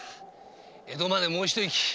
江戸までもう一息。